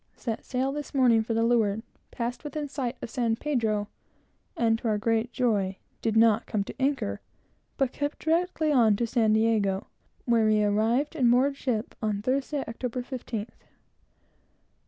Set sail this morning for the leeward; passed within sight of San Pedro, and, to our great joy, did not come to anchor, but kept directly on to San Diego, where we arrived and moored ship on. Thursday, Oct. 15th.